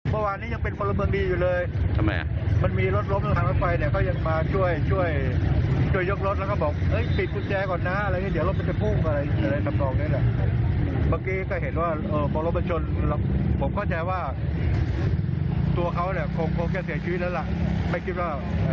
พวกเขาแค่เสียชีวิตแล้วล่ะไม่คิดว่าศีรษะเขาจะกระเด็นออกมา